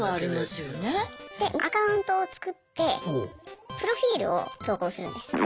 でアカウントを作ってプロフィールを投稿するんです。